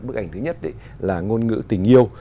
bức ảnh thứ nhất là ngôn ngữ tình yêu